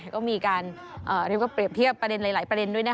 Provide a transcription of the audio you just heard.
ก็มีการเปรียบเทียบประเด็นหลายประเด็นด้วย